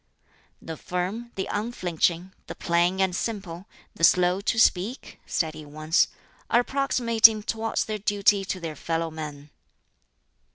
"The firm, the unflinching, the plain and simple, the slow to speak," said he once, "are approximating towards their duty to their fellow men."